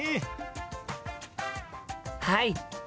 はい！